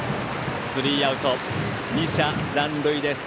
スリーアウト、２者残塁です。